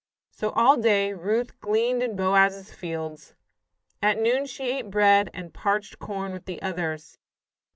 So, all day, Ruth gleaned in Boaz's fields. At noon she ate bread and parched corn with the others.